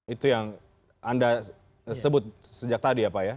itu yang anda sebut sejak tadi ya pak ya